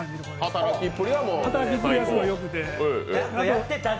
働きっぷりはすごいよくて。